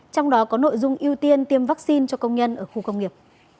trong đó có nội dung ưu tiên tiêm vaccine cho công nhân ở khu công nghiệp